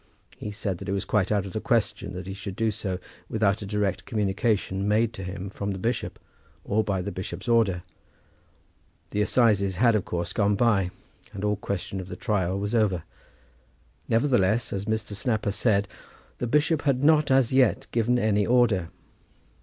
He said that it was quite out of the question that he should do so without a direct communication made to him from the bishop, or by the bishop's order. The assizes had, of course, gone by, and all question of the trial was over. Nevertheless, as Mr. Snapper said, the bishop had not, as yet, given any order.